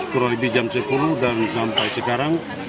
kurang lebih jam sepuluh dan sampai sekarang